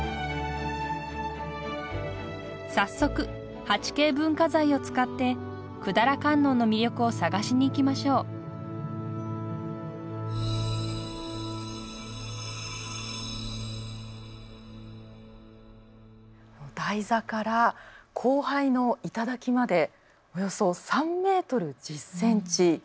早速８Ｋ文化財を使って百済観音の魅力を探しに行きましょう台座から光背の頂までおよそ３ｍ１０ｃｍ。